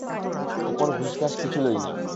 অপর ঘুষঘাস কিছু লই না।